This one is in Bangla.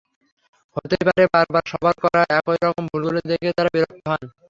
হতেই পারে বারবার সবার করা একই রকম ভুলগুলো দেখে তাঁরা বিরক্ত হন।